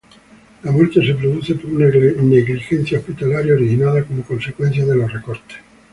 La muerte se produce por una negligencia hospitalaria, originada como consecuencia de los recortes.